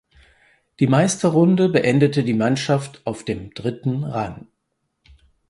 Die Meisterrunde beendete die Mannschaft auf dem dritten Rang.